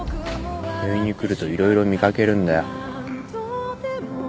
病院に来ると色々見掛けるんだよ。